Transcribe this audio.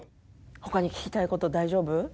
他に聞きたいこと大丈夫？